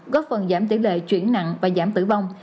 góp phần giảm tỷ lệ chuyển nặng và giảm tử vong